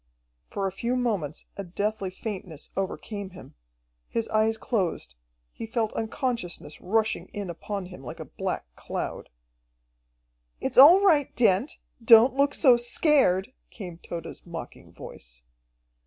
For a few moments a deathly faintness overcame him ... his eyes closed, he felt unconsciousness rushing in upon him like a black cloud. "It's all right, Dent don't look so scared!" came Tode's mocking voice.